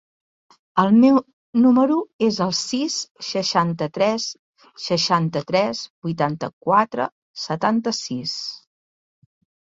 El meu número es el sis, seixanta-tres, seixanta-tres, vuitanta-quatre, setanta-sis.